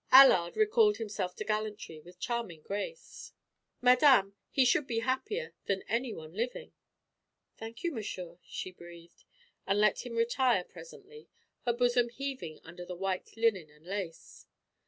Allard recalled himself to gallantry with charming grace. "Madame, he should be happier than any one living." "Thank you, monsieur," she breathed, and let him retire presently, her bosom heaving under its white linen and lace.